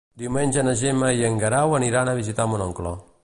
Diumenge na Gemma i en Guerau aniran a visitar mon oncle.